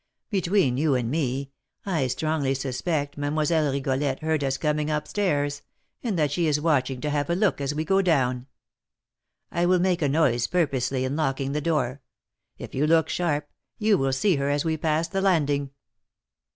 Between you and me, I strongly suspect Mlle. Rigolette heard us coming up stairs, and that she is watching to have a look as we go down. I will make a noise purposely in locking the door; if you look sharp, you will see her as we pass the landing."